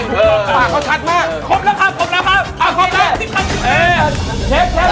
ปากเขาชัดมากครบแล้วครับครบแล้วครับ